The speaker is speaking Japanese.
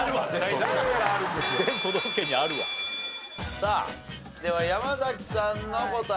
さあでは山さんの答え。